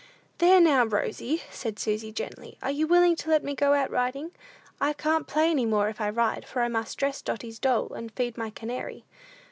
"There, now, Rosy," said Susy, gently, "are you willing to let me go out riding? I can't play any more if I ride, for I must dress Dotty's doll, and feed my canary."